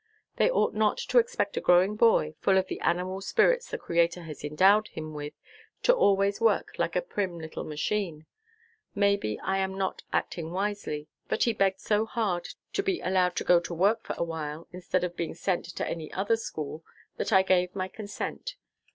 They ought not to expect a growing boy, full of the animal spirits the Creator has endowed him with, to always work like a prim little machine. Maybe I am not acting wisely, but he begged so hard to be allowed to go to work for awhile, instead of being sent to any other school, that I gave my consent.